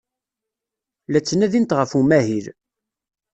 La ttnadint ɣef umahil.